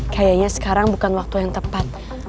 kayaknya sekarang bukan waktu yang tepat